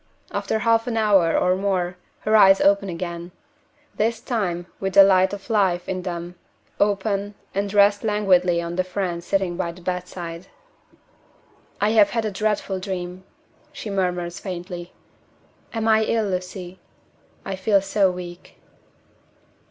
After half an hour or more, her eyes open again this time with the light of life in them open, and rest languidly on the friend sitting by the bedside. "I have had a dreadful dream," she murmurs faintly. "Am I ill, Lucy? I feel so weak."